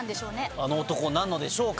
あの男なのでしょうか？